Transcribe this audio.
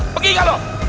pergi gak lo